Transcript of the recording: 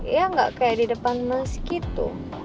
ya nggak kayak di depan mas gitu